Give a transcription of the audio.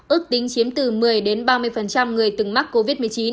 ước tính chiếm từ một mươi ba mươi người từng mắc covid một mươi chín